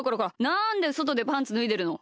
なんでそとでパンツぬいでるの！